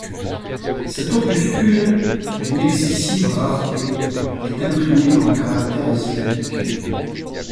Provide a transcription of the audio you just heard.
Cet opuscule, d'une excessive rareté, est imprimé en caractères italiques.